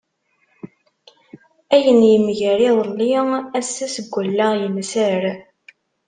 Ayen yemger iḍelli, ass-a seg wallaɣ yenser.